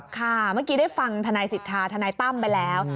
ค่ะเมื่อกี้ได้ฟังทนายสิทธาทนายตั้มไปแล้ว